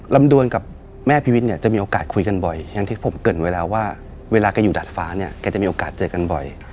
ดวนกับแม่พิวิทเนี่ยจะมีโอกาสคุยกันบ่อยอย่างที่ผมเกิดไว้แล้วว่าเวลาแกอยู่ดาดฟ้าเนี่ยแกจะมีโอกาสเจอกันบ่อย